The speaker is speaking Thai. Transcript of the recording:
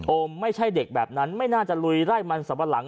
โอมไม่ใช่เด็กแบบนั้นไม่น่าจะลุยร่ายมันสวรรค์